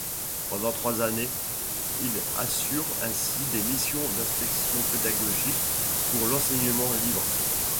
Pendant trois années il assure ainsi des missions d'inspection pédagogique pour l'enseignement libre.